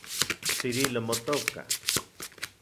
¿Cirilo motoka?